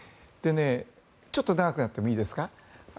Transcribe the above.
ちょっと長くなってもいいですか？